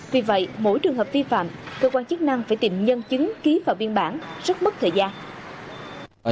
vì vậy mỗi trường hợp vi phạm cơ quan chức năng phải tìm nhân chứng ký vào biên bản rất mất thời gian